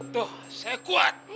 tuh saya kuat